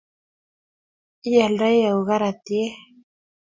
I aldoi au karatiek